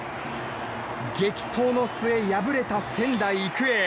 激闘の末、敗れた仙台育英。